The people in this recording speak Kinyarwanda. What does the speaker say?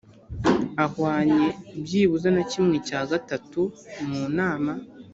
ahwanye byibuze na kimwe cya gatatu mu nama